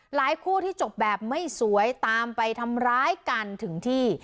คู่ที่จบแบบไม่สวยตามไปทำร้ายกันถึงที่